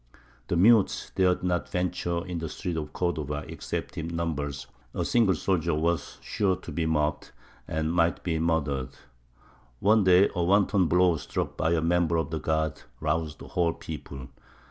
The Mutes dared not venture in the streets of Cordova except in numbers; a single soldier was sure to be mobbed, and might be murdered. One day a wanton blow struck by a member of the guard roused the whole people.